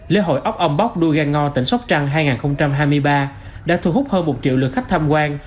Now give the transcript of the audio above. lễ hội ốc âm bốc đua gai ngò tỉnh sóc trăng hai nghìn hai mươi ba đã thu hút hơn một triệu lượt khách tham quan